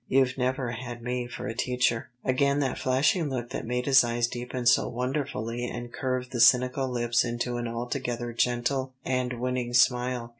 "You've never had me for a teacher." Again that flashing look that made his eyes deepen so wonderfully and curved the cynical lips into an altogether gentle and winning smile.